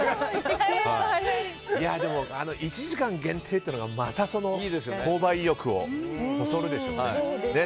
でも１時間限定というのがまた購買意欲をそそるでしょうね。